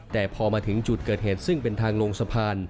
แต่พอมาถึงจุดเกิดเหตุซึ่งเป็นทางลงสะพาน